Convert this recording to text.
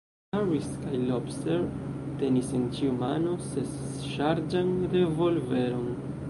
Harris kaj Lobster tenis en ĉiu mano sesŝargan revolveron.